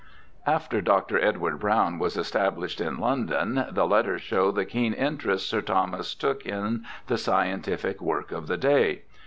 After Dr. Edward Browne was established in London, the letters show the keen interest Sir Thomas took in the scientific work of the day.